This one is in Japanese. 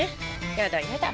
やだやだ。